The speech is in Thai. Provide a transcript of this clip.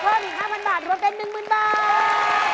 เพิ่มอีก๕๐๐บาทรวมเป็น๑๐๐๐บาท